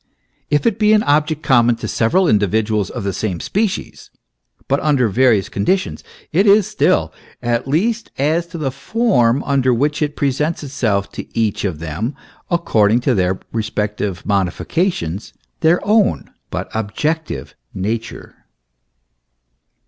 If it be an object common to several individuals of the same species, but under various conditions, it is still, at least as to the form under which it presents itself to each of them accord ing to their respective modifications, their own, but objective, nature.